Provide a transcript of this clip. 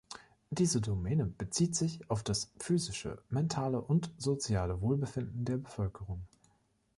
Diese Domäne bezieht sich auf das physische, mentale und soziale Wohlbefinden der Bevölkerung.